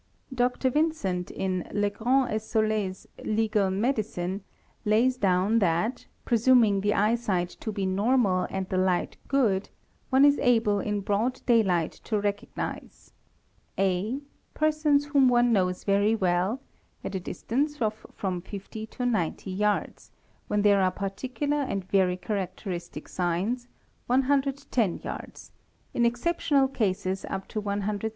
Dr. Vincent in Legrand &: Saule's "Tuegal Medicine" lays down that, presuming the eyesight to be normal and the light good, one is able in broad day light to recognize :—. (a) Persons whom one knows very well, at a distance of from 50 te 90 yards; when there are particular and very characteristic signs, 110 _yards ; in exceptional cases up to 165 yards.